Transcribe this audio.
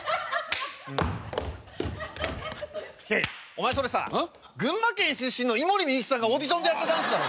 お前それさ群馬県出身の井森美幸さんがオーディションでやったダンスだろ。